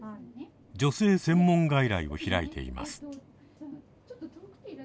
女性専門外来を開いています。